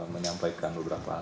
menyampaikan beberapa hal